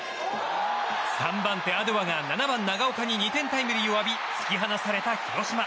３番手、アドゥワが７番、長岡に２点タイムリーを浴び突き放された広島。